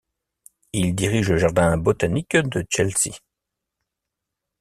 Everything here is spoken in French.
Il dirige le jardin botanique de Chelsea.